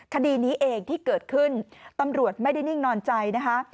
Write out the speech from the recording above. คดีนี้เองที่เกิดขึ้นตำรวจไม่ได้นิ่งนอนใจนะคะ